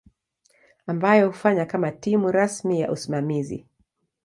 ambayo hufanya kama timu rasmi ya usimamizi.